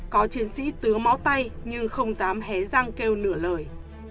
có chiến sĩ tứa máu tay nhưng không dám hé rang kêu nửa lời